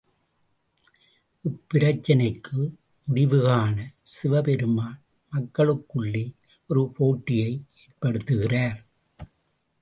இப்பிரச்சனைக்கு முடிவுகாண சிவபெருமான் மக்களுக்குள்ளே ஒரு போட்டியை ஏற்படுத்துகிறார்.